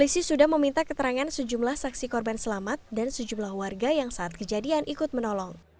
sejumlah saksi korban selamat dan sejumlah warga yang saat kejadian ikut menolong